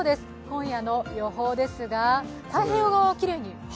今夜の予報ですが、太平洋側はきれいに。